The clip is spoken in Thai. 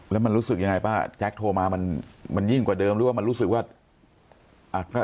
แล้วมันรู้สึกยังไงป้าแจ๊คโทรมามันยิ่งกว่าเดิมหรือว่ามันรู้สึกว่า